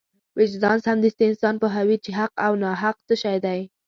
وجدان سمدستي انسان پوهوي چې حق او ناحق څه شی دی.